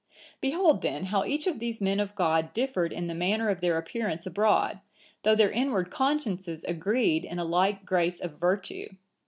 Behold then how each of these men of God differed in the manner of their appearance abroad, though their inward consciences agreed in a like grace of virtue.